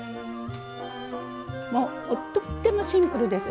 もうとってもシンプルです。